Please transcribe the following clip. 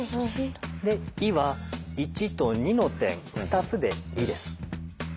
で「い」は１と２の点２つで「い」です。